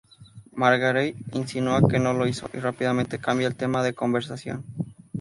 Margaery insinúa que no lo hizo, y rápidamente cambia el tema de conversación.